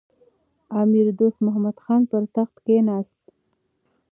امیر دوست محمد خان پر تخت کښېناست.